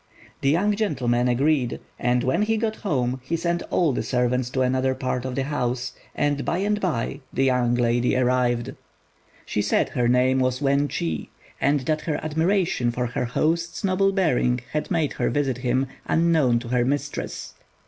The young gentleman agreed, and when he got home he sent all the servants to another part of the house, and by and by the young lady arrived. She said her name was Wên chi, and that her admiration for her host's noble bearing had made her visit him, unknown to her mistress.